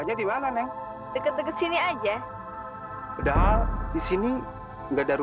eh mana jalan tadi